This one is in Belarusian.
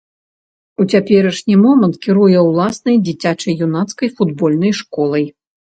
У цяперашні момант кіруе ўласнай дзіцяча-юнацкай футбольнай школай.